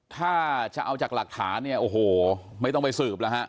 ถ้าจะเอาจากหลักฐานี่โอหะไม่ต้องไปสืบเลยฮะ